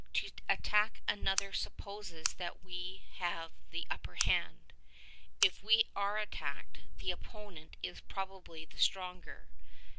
To attack another supposes that we have the upper hand ; if we are attacked, the opponent is probably the stronger.